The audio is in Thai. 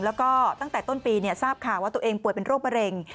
แล้วก็ตั้งแต่ต้นปีทราบข่าวว่าตัวเองป่วยเป็นโรคมะเร็ง